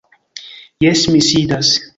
Jes, mi sidas.